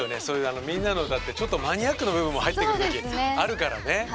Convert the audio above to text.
そういう「みんなのうた」ってちょっとマニアックな部分も入ってくるときあるからね。